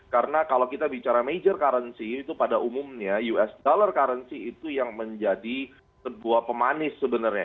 karena kalau kita bicara major currency itu pada umumnya us dollar currency itu yang menjadi sebuah pemanis sebenarnya